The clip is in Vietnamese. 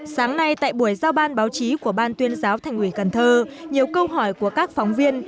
sáng nay tại buổi giao ban báo chí của ban tuyên giáo thành ủy cần thơ nhiều câu hỏi của các phóng viên